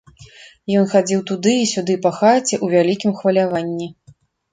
Ён хадзіў туды і сюды па хаце ў вялікім хваляванні.